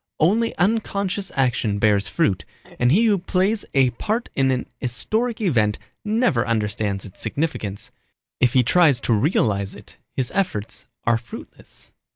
Only unconscious action bears fruit, and he who plays a part in an historic event never understands its significance. If he tries to realize it his efforts are fruitless.